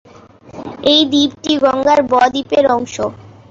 এই দ্বীপটি গঙ্গার ব-দ্বীপের অংশ।